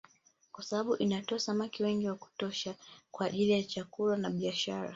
Kwa sababu inatoa samaki wengi na wa kutosha kwa ajili ya chakula na biashara